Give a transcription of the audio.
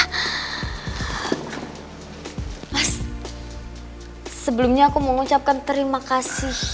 mas sebelumnya aku mau ngucapkan terima kasih